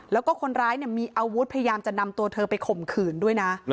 แล้วก็คนร้ายมีอาวุธพยายามจะนำตัวเธอไปข่มขืนด้วยนะ